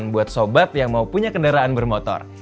buat sobat yang mau punya kendaraan bermotor